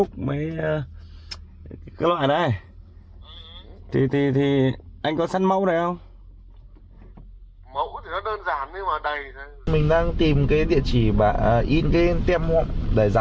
ở đây là chỉ có cái hàng dân dã